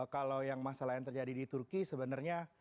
kalau yang masalah yang terjadi di turki sebenarnya